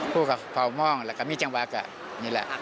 ผู้กับเฝ้ามองและก็มีจังหวักนี่แหละ